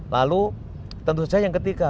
lalu tentu saja yang ketiga